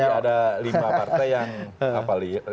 jadi ada lima partai yang apa liar